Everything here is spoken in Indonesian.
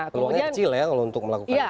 peluangnya kecil ya kalau untuk melakukan